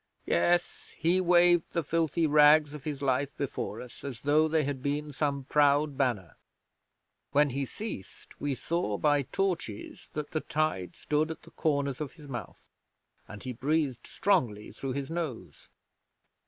Yes, he waved the filthy rags of his life before us, as though they had been some proud banner. When he ceased, we saw by torches that the tide stood at the corners of his mouth, and he breathed strongly through his nose.